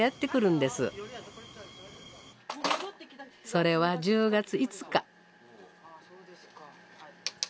それは１０月５日。